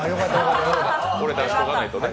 これ出しておかないとね。